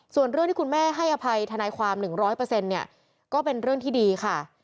ส่วนเรื่องที่คุณแม่ให้อภัยทนายความ๑๐๐เนี่ยก็เป็นเรื่องที่ดีค่ะ